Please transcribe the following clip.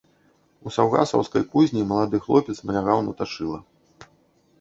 У саўгасаўскай кузні малады хлопец налягаў на тачыла.